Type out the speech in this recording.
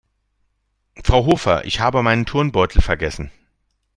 Frau Hofer, ich habe meinen Turnbeutel vergessen.